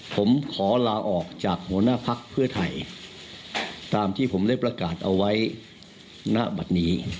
ผมขอลาออกจากหัวหน้าพักเพื่อไทยตามที่ผมได้ประกาศเอาไว้ณบัตรนี้